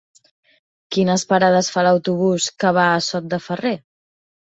Quines parades fa l'autobús que va a Sot de Ferrer?